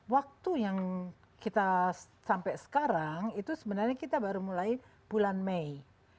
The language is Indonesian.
waktu yang kita sampai sekarang itu sebenarnya kita baru mulai bulan mei